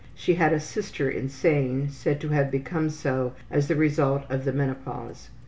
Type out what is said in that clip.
She had a sister insane, said to have become so as the result of the menopause.